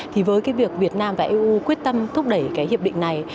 thì với cái việc việt nam và eu quyết tâm thúc đẩy cái hiệp định này